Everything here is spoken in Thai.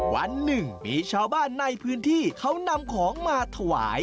วันหนึ่งมีชาวบ้านในพื้นที่เขานำของมาถวาย